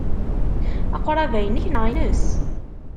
Aqrab-a inek neɣ ines?